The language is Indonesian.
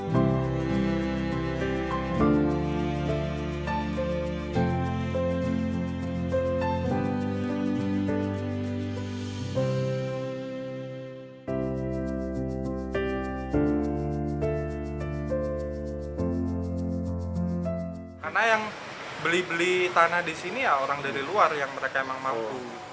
karena yang beli beli tanah disini ya orang dari luar yang mereka memang mampu